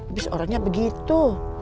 abis orangnya begitu